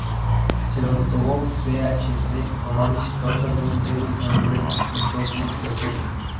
Se le otorgó el PhD honoris causa John Dewey University Consortium de Estados Unidos.